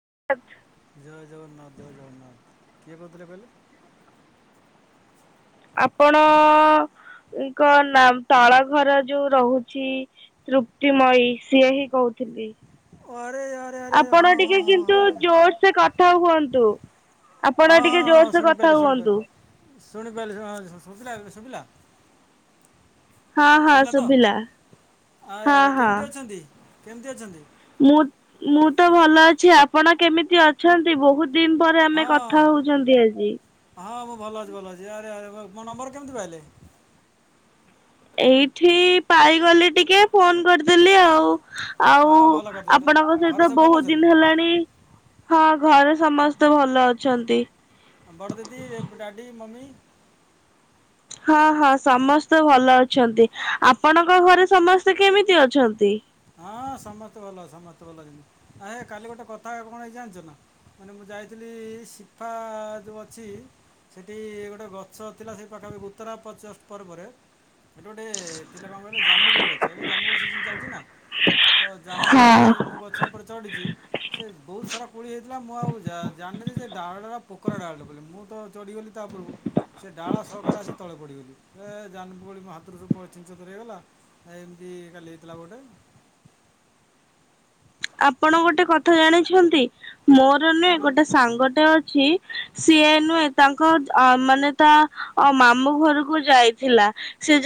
[unintelligible] ଜୟ ଜଗନ୍ନାଥ ଜୟ ଜଗନ୍ନାଥ କିଏ କୋଉଥିଲେ କଇଲେ। ଆପଣ ଙ୍କ ନାମ ତାଳ ଘର ଯୋଉ ରହୁଚି ତୃପ୍ତିମୟୀ ସିଏ ହିଁ କହୁ ଥୁଲି ଓ ଆରେ ଆରେ ଆରେ ଆରେ ଆପଣ ହଁ ହଁ ଟିକେ ହଁ ହଁ କିନ୍ତୁ ଆରେ ଜୋର୍ ସେ କଥା ହୁହନ୍ତୁ। ଆପଣ ହଁ ହଁ ଟିକେ ହଁ ଜୋର୍ ସେ କଥା ଶୁଣିପାରିଲି ଶୁଣିପାରିଲି ହୁଅନ୍ତୁ। ଶୁଣିପାରିଲି ଶୁିଲା ଏବେ ଶୁବିଲା। ହଁ ହଁ ଶୁଭିଲା ଆରେ ହଁ ଆରେ ହଁ। କେମିତି ଅଛନ୍ତି କେମିତି ଅଛନ୍ତି। ମୁଁ ମୁଁ ତ ଭଲ ଅଛି ଆପଣ କେମିତି ଅଛନ୍ତି ବହୁତ ଦିନି ପରେ ଆମେ ହଁ କଥା ହଉଛନ୍ତି ଆଜି। ହଁ ମୁଁ ଭଲ ଅଛି ଭଲ ଅଛି ଆରେ ଆରେ ମୋ ନମ୍ବର କେମିତି ପାଇଲେ। ଏଇଠି ପାଇଗଲି ଟିକେ ଫୋନ୍ କରିଦେଲି ଆଉ। ଆଉ ହଁ ଭଲ କରିଛନ୍ତି ଆପଣଙ୍କ ଆଉ ଘରେ ସହିତ ସବୁ ଭଲ ବହୁତ ଅଛନ୍ତି ଦିନ ହେଲାଣି ହଁ ଘରେ ସମସ୍ତେ ଭଲ ଅଛନ୍ତି। ବଡ ଦିଦି, ଡାଡି, ମମି। ହଁ ହଁ ସମସ୍ତେ ଭଲ ଅଛନ୍ତି ଆପଣଙ୍କ ଘରେ ସମସ୍ତେ କେମିତି ଅଛନ୍ତି? ହଁ ସମସ୍ତେ ଭଲ ସମସ୍ତେ ଭଲ ଅଛନ୍ତି। [unintelligible] ହେ କାଲି ଗୋଟେ କଥା କଣ ହେଇଚି ଜାଣିଚ ନା? ମାନେ ମୁଁ ଯାଇଥିଲି ସିଫା ଯୋଉ ଅଛି? ସେଠି ଗୋଟେ ଗଛ ଥିଲା ସେଇ ପାଖାପଖି ଉତ୍ତରା ପଚ ପର୍ବରେ ଏଠି ଗୋଟେ ଥିଲା କଣ କଇଲ ଜାମୁକୋଳି ଗଛ ଏବେ ଜାମୁକୋଳି ସିଜିନ ଚାଲିଚି ନା। ତ ଜାମୁକୋଳି ହଁ ମୁଁ ଗଛ ଉପରେ ଚଡିଚି। ସେ ବହୁତ ସାରା କୋଳି ହେଇଥିଲା ମୁଁ ଆଉ ଯା-ଯାନଥିଲି ଯେ ଡାଳ ରା ପୋକରା ଡାଳଟେ ବୋଲି ମୁଁ ତ ଚଢିଗଲି ତା ପୂର୍ବ ରୁ। ସେ ଡାଳ ସହକାରେ ଆସି ତଳେ ପଡ଼ିଗଲି। ଏ ଜାମୁକୋଳି ମୋ ହାତରୁ ସବୁ ଛିନ୍ ଛତର ହେଇଗଲା। ଏମିତି କାଲି ହେଇଥିଲା ପା ଗୋଟେ। ଆପଣ ଗୋଟେ କଥା ଜାଣିଛନ୍ତି ମୋର ନୁଏ କହୁନାହାନ୍ତି ଗୋଟେ ସାଙ୍ଗଟେ ଅଛି। ସିଏ ନୁହେଁ ତାଙ୍କ ଅ ମାନେ ତା ଅ ମାମୁଁ ଘରକୁ ଯାଇଥିଲା। ସେ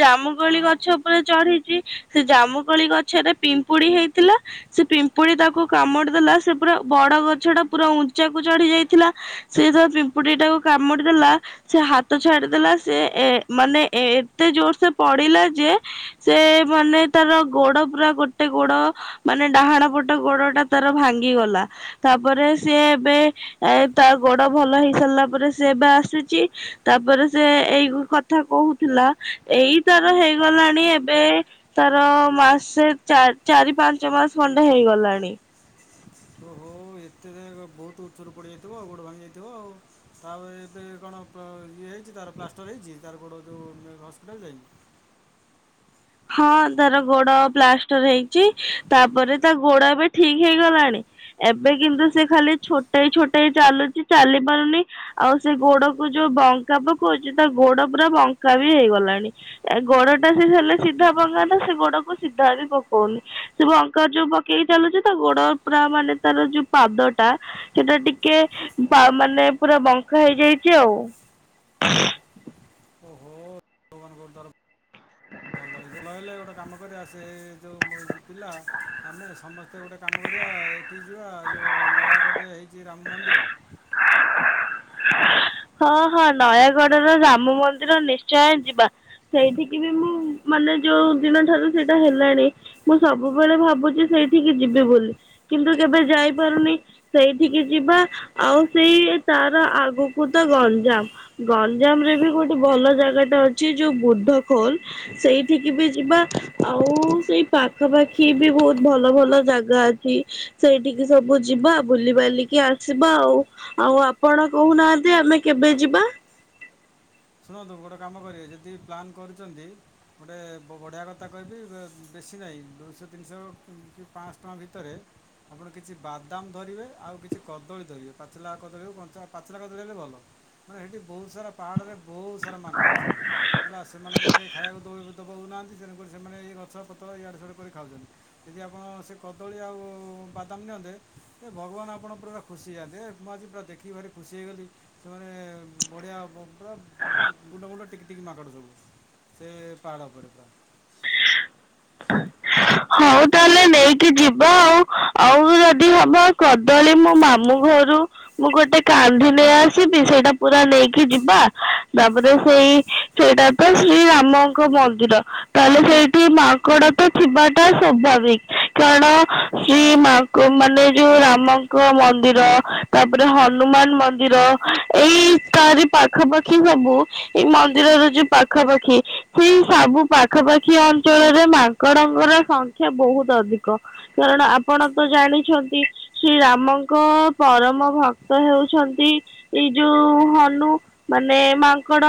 ହଁ ଜାମୁକୋଳି ଗଛ ଉପରେ ଚଢିଚି। ସେ ଜାମୁକୋଳି ଗଛରେ ପିମ୍ପୁଡି ହେଇଥିଲା ସେ ପି ପୁଡି ତାକୁ କାମୁଡି ଦେଲା ସେ ପୁରା ବଡ ଗଛ ଟା ପୁରା ଉଞ୍ଚାକୁ ଚଢି ଯାଇଥିଲା ସେଇଥା ପି ପିମ୍ପୁଡ଼ି ଟାକୁ କାମୁଡି ଦେଲା ସେ ହାତ ଛାଡିଦେଲା ସେ ଏ ମାନେ ଏ ଏତେ ଜୋର ସେ ପ ଡିଲା ଯେ ସେ ମାନେ ତାର ଗୋଡ ପୁରା ଗୋଟେ ଗୋଡ ମାନେ ଡାହାଣ ପ ଟ ଗୋଡ ଟା ତାର ଭାଙ୍ଗି ଗଲା ତାପରେ ସିଏ ଏବେ ତା ଗୋଡ ଭଲ ହେଇସା ଲା ପରେ ସେ ଏବେ ଆସୁଚି ତାପରେ ସେ ଏଇ କଥା କହୁଥୁଲା ଏଇ ତାର ହେଇଗଲାଣି ଏବେ ତାର ମାସେ ଚା-ଚାରି ପାଞ୍ଚ ମାସ ଖଣ୍ଡେ ହେଇଗ ଲାଣି। ଓହୋ ଏତେ ଦେ ବହୁତ ଉଚ୍ଚରୁ ପଡିଯାଇଥିବ ଗୋଡ ଭାଙ୍ଗି ଯାଇଥିବ ଆଉ ଏବେ କଣ ପ ଇଏ ହେଇଚି ତାର ପ୍ଲାଷ୍ଟର ହେଇଚି ତାର ଗୋଟ ଯୋଉ ହସ୍ପିଟାଲ ଯାଇ ହଁ ତାର ଗୋଡ ପ୍ଲାଷ୍ଟର ହେଇଚି ତାପରେ ତା ଗୋଡ ଏବେ ଠିକ ହେଇଗଲାଣି। ଏବେ କିନ୍ତୁ ସେ ଖାଲି ଛୋଟେଇ ଛୋଟେଇ ଚାଲୁଚି ଚାଲି ପାରୁନି ଆଉ ସେ ଗୋଡ ଯୋଉ ବଙ୍କା ପକଉଚି ତା ଗୋଡ ପୁରା ବଙ୍କା ବି ହେଇଗଲାଣି ଏ ଗୋଡ ଟା ସେ ହେଲେ ସି ଧା ପକାନ୍ତା ସେ ଗୋଡ କୁ ସିଧା ବି ପକଉନି ସେ ବଙ୍କା ଯୋଉ ପକେଇ ଚାଲୁଚି ତା ଗୋଡ ପୁରା ଆମ ମାନେ ତାର ଯୋଉ ପାଦ ଟା ସେଟା ଟିକେ ପା ମାନେ ପୁରା ବଙ୍କା ହେଇଯାଇଚି ଆଉ। ଓହୋ ଭଗବାନ ଗୋଡ଼ ତାର ଭଲ ହେଇ ଯାଉ ନ ହେଲେ ଗୋଟେ କାମ କରିବା ସେ ଯଉ ମୋ ପିଲା ଆମେ ସମସ୍ତେ ଗୋଟେ କାମ କରିବା ଏଠି ଯିବା ଯଉ ନୟାଗଡ଼ରେ ହେଇଚି ରାମ ମନ୍ଦିର ହଁ ହଁ ନୟାଗଡ ର ରାମ ମନ୍ଦିର ନିଶ୍ଚୟ ଯିବା ସେଇଠିକି ବି ମୁଁ ମାନେ ଯୋଉ ଦିନ ଠାରୁ ସେଇଟା ହେଲାଣି ମୁଁ ସବୁବେଳେ ଭାବୁଚି ସେଇଠିକି ଯିବି ବୋଲି। କିନ୍ତୁ କେବେ ଯାଇପାରୁନି ସେଇଠିକି ଯିବା ଆଉ ସେଇ ତାର ଆଗକୁ କୁ ତ ଗଞ୍ଜାମ ଗଞ୍ଜାମ ରେ ବି ଗୋଟେ ଭଲ ଜାଗାଟେ ଅଛି ଯୋଉ ବୁଦ୍ଧ ଖୋଲ। ସେଇଠିକି ବି ଯିବା ଆଉ ସେଇ ପାଖାପାଖି ବି ବହୁତ ଭଲ ଭଲ ଜାଗା ଅଛି। ସେଇଠିକି ସବୁ ଯିବା ବୁଲିିବାଲିକି ଆସିବା ଆଉ ଆଉ ଆପଣ କହୁନାହା ନ୍ତି ଆମେ କେବେ ଯିବା? ଶୁଣନ୍ତୁ ଗୋଟେ କାମ କରିବା ଯଦି ପ୍ଲାନ୍ କରୁଚନ୍ତି ଗୋଟେ ବଢିଆ କତା କହିବି ବେ-ବେଶ୍ ଶି ନାଇଁ ଦୁଇଶହ ତିନିଶହ କି ପାଞ୍ଚଶହ ଟଙ୍କା ଭିତରେ ଆପଣ କିଛି ବାଦାମ ଧରିବେ ଆଉ କିଛି କଦଳୀ ଧରିବେ ପାଚିଲା କଦଳୀ ହଉ କଞ୍ଚା ପାଚିଲା କଦଳୀ ହେଲେ ଭଲ। ମାନେ ହେଟି ବହୁତ ସାରା ପାହାଡରେ ବହୁତ ସାରା ମାଙ୍କଡ଼ ଅଛନ୍ତି ହେଲା ସେମାନଙ୍କୁ କେହି ଖାଇବାକୁ ଦଉ ଦବାକୁ ନାହା ନ୍ତି ତେଣୁକରି ସେମାନେ ଏଇ ଗଛ ପତ୍ର ଇଆଡେ ସିଆଡୁ କରି ଖାଉଚନ୍ତି। ଯଦି ଆପଣ ସେ କଦଳୀ ଆଉ ବାଦାମ ନିଅନ୍ତେ ଏ ଭଗବାନ ଆପଣ ପୁରା ଖୁସି ହେଯାଆନ୍ତେ ମୁଁ ଆଜି ପୁରା ଦେଖିକି ଭାରି ଖୁସି ହେଇଗଲି ସେମାନେ ବଢିଆ ହବ ପୁରା ଗୁଣ୍ଡ ଗୁଣ୍ଡ ଟିକି ଟିକି ମାଙ୍କଡ ସବୁ ସେ ପାହାଡ ଉପରେ ପୁରା। ହଉ ତାହେଲେ। ନେଇକି ଯିବା ଆଉ ଆଉ ଯଦି ହବ କଦଳୀ ମୋ ମାମୁଁ ଘରୁ ମୁଁ ଗୋଟେ ଗୋଟେ କାନ୍ଧି ନେଇ ଆସିବି ସେଇଟା ପୁରା ନେଇକି ଯିବା ତାପରେ ସେଇ ସେଇଟା ପାଇଁ ଶ୍ରୀରାମଙ୍କ ମନ୍ଦିର ତାହେଲେ ସେଇଠି ମାଙ୍କଡ ତ ଥିବା ଟା ସ୍ୱାଭାବିକ କାରଣ ଶ୍ରୀ ମା ମାନେ ଯୋଉ ରାମଙ୍କ ମନ୍ଦିର ତାପରେ ହନୁମାନ ମନ୍ଦିର ଏଇ ତାରି ପାଖାପାଖି ସବୁ ମନ୍ଦିର ର ଯୋଉ ପାଖାପାଖି ସେଇ ସବୁ ପାଖାପାଖି ଅଞ୍ଚଳରେ ମାଙ୍କଡଙ୍କର ସଂଖ୍ୟା ବହୁତ ଅଧିକ କାରଣ ଆପଣ ତ ଜାଣିଛନ୍ତି ଶ୍ରୀରାମଙ୍କ ପ୍ର ପରମ ଭକ୍ତ ହେଉଛନ୍ତି ଏଇ ଯୋଉ ହନୁ ମାନେ ମାଙ୍କଡ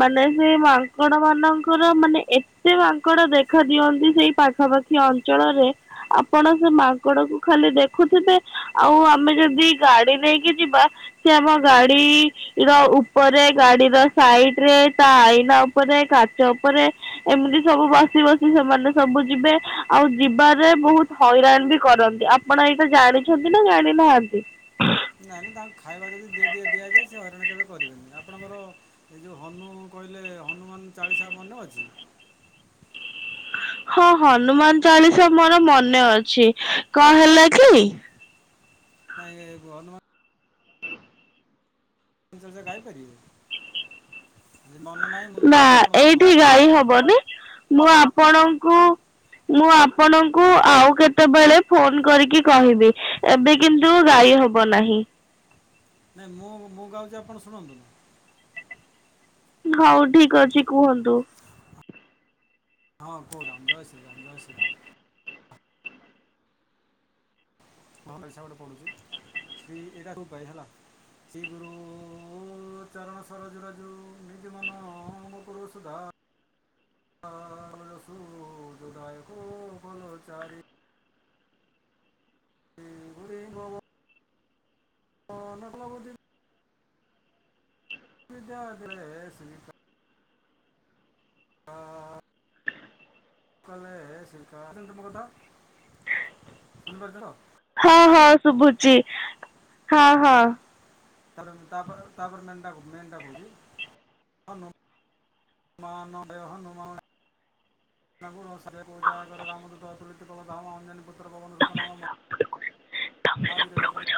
ମାନେ ସେ ମାଙ୍କଡ ମାନଙ୍କର ମାନେ ଏତେ ମାଙ୍କଡ ଦେଖା ଦିଅନ୍ତି ସେଇ ପାଖାପାଖି ଅଞ୍ଚଳରେ ଆପଣ ସେ ମାଙ୍କଡ କୁ ଖାଲି ଦେଖୁଥିବେ ଆଉ ଆମେ ଯଦି ଗା ଗାଡି ନେଇକି ଯିବା ସେ ଆମ ଗାଡି ବା ଉପରେ ଗାଡିର ସାଇଡ ରେ ତା ଆଇନା ଉପରେ କାଚ ଉପରେ ଏମିତି ସବୁ ବସି ବସି ସେମାନେ ସବୁ ଯିବେ। ଆଉ ଯିବାରେ ବହୁତ ହଇରାଣ ବି କରନ୍ତି ଆପଣ ଏଇଟା ଜାଣିଛନ୍ତି ନା ଜାଣିନାହାନ୍ତି। ନାଇଁ ନାଇଁ ତାଙ୍କୁ ଖାଇବା ଯଦି ଦି ଦିଆଯାଏ ସେ ହଇରାଣ କେବେ କରିବେନି ଆପଣଙ୍କର ଏଇ ଯୋଉ ହନୁ କହିଲେ ହନୁମାନ ଚାଳିଶା ମନେ ଅଛି। ହଁ ହନୁମାନ ଚାଳିଶା ମୋର ମନେ ଅଛି କଣ ହେଲା କି? ନାଇଁ ହନୁମାନ ଚାଳିଶା ଗାଇପାରିବ। ନା ଏଇଠି ହେଲା ଗାଈ ହବନି ମୁଁ ଆପଣଙ୍କୁ ମୁଁ ଆପଣଙ୍କୁ ଆଉ କେତେବେଳେ ଫୋନ କରିକି କହିବି ଏବେ କିନ୍ତୁ ଗାଇ ଇ ହବ ନାହିଁ। ନାଇଁ ମୁଁ ମୁଁ ଗାଉଛି ଆପଣ ଶୁଣନ୍ତୁ। ହଉ ଠିକ ଅଛି କୁହନ୍ତୁ। ହେଁ କହୁଛି ଜୟ ଶ୍ରୀରାମ୍ ଜୟ ଶ୍ରୀରାମ୍। ଭଲସେ ଗୋଟେ ପଢ଼ୁଛି ଶ୍ରୀ ଏଇଟା [unintelligible] ହେଲା। ଶ୍ରୀ ଗୁରୁ ଚରଣ ସରୋଜ ରଜୁ ନିଜ ମନ ମକୁରୁ ସୁଧାରି ଆ ରସୁ ଯୋଦାୟକ ଫଲ ଚାରି। ଶ୍ରୀ ଗୁରୁ ଦେବ [unintelligible] ବିଦ୍ୟା ଦେ [unintelligible] ଆ [unintelligible] ମୋ କଥା ଶୁଣି ପାରୁଛ ତ। ହଁ ହଁ ଶୁଭୁଛି। ହଁ ତାପ ତାପ ତାପର ଲାଇନ ଟା କହୁଛି। ମେନ୍ ଟା କହୁଛି ମନ ମନ ବ୍ୟୟ ହାନୁମ୍ ଗୁଣ ସ ପୂଜାଗର ରାମଦୂତ ଅତୁଳିତ ଫଳ ଧାମ ଅଞନୀ ପୁତ୍ର ପବନ ସୁତ୍ ନାମା। ମହାବୀର ବିକ୍ରମ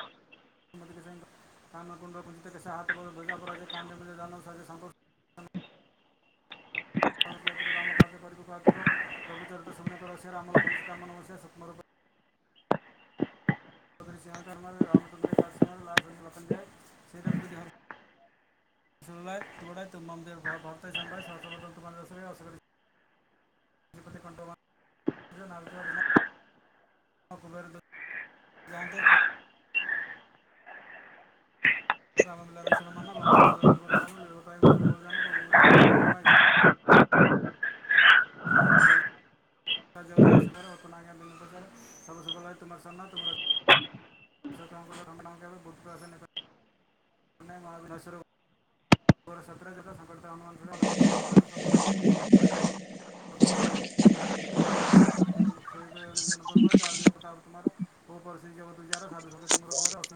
କୁମୁତନ ସଙ୍ଗ କାନନ କୁଣ୍ଡଲ କୁିତେଶା ହାତ ଧଜାପରା କାନ୍ଦେ ମିେ ଦାନ ସନ୍ତୋଷ ମତତୁରରେ ରାମ କାର୍ଯ୍ୟକାରୀକୁାତୁର ପ୍ରଘୁ ଚରିତ୍ରନିକ ରିଆ ରାମଲଘନ ସିତାମନବସ୍ୟା ସ୍ୱପମରୂପ ସରି ସିଂହାକରମାରେ ରାମଚନ୍ଦ୍ର କାରସମର ଲାଚନ୍ଦ୍ର ଲଖଞନ୍ଦାୟ ଶରଖୁଦ୍ଧ ହର [unintelligible] ଅପତି କଣ୍ଠ ଲଗାୟ ବା [unintelligible] କୁବେର [unintelligible] ଜାହା ତେ [unintelligible] ରାମ ଲଖନ ବିଭୀଷଣମାନା ଲଙ୍କେ ସ୍ୱର [unintelligible] ଭାନୁ [unintelligible] ଜାନୁ ପ୍ରଭୁ ମୁଦ୍ରିକା ମେଲି ମୁଖ ମାଇ [unintelligible] ଜଗତ କେ ସିନା ଭଙ୍କ ବିନୁ ପଚାରେ ସବ ସୁଖଳୟେ ତୁମର ସନୟା ତୁମର [unintelligible] ଭୂତ୍ ନଆସେ ନିକଟେ ନେ ମହା ବିନସରେ ଗର ଶତ୍ର ଜତ ସଂଘଟିତ ଆମାନ ଅଣସ କରାରୁ ସଫଳ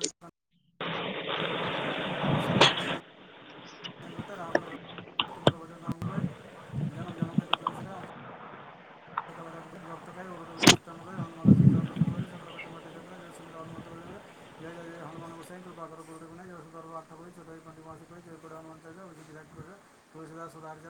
[unintelligible] [unintelligible] [unintelligible] ଦିନ ବାରଟା [unintelligible] [unintelligible] ତୁମର ଭଜନ ରମକୋ ପାଇ ଜନମ ଜନମ କେତ ଦୁଃଖବିସରାଇ ଅନ୍ତ [unintelligible] ଜୟ ଜୟ ହୁମାନ ଗୋସାାଇଙ୍କ ପା [unintelligible] [unintelligible] କାଟ ତୋଳିଲା ସୁଧାରିତ